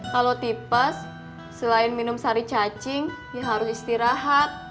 kalau tipe selain minum sari cacing ya harus istirahat